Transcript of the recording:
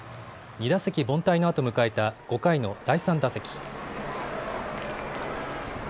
２打席凡退のあと迎えた５回の第３打席。